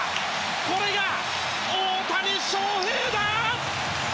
これが大谷翔平だ！